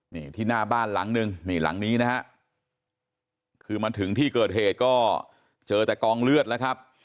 นี่ที่หน้าบ้านหลังนึงนี่หลังนี้นะฮะคือมาถึงที่เกิดเหตุก็เจอแต่กองเลือดแล้วครับ